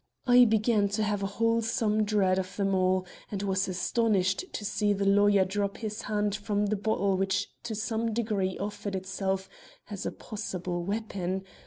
I began to have a wholesome dread of them all and was astonished to see the lawyer drop his hand from the bottle, which to some degree offered itself as a possible weapon.